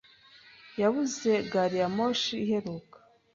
Yabuze gari ya moshi iheruka.